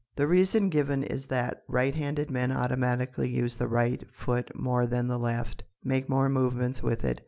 The reason given is that right handed men automatically use the right foot more than the left, make more movements with it.